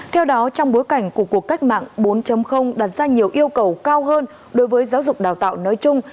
theo đó trong bối cảnh của cuộc cách mạng bốn đặt ra nhiều yêu cầu cao hơn đối với giáo dục đào tạo nói chung